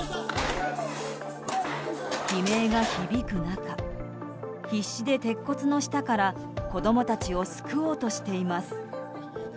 悲鳴が響く中必死で鉄骨の下から子供たちを救おうとしています。